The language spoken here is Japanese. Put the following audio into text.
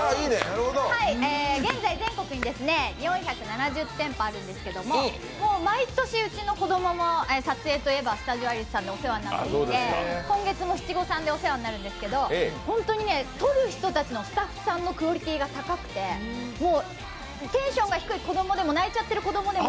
現在全国に４７０店舗あるんですけれども、毎年うちの子供も撮影といえばスタジオアリスさんでお世話になっていて今月も七五三でお世話になるんですけど本当に撮る人たちのスタッフさんもクオリティーが高くてテンションが低い子供でも泣いちゃってる子供でね